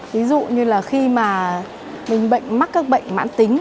ví dụ như là khi mà mình mắc các bệnh mãn tính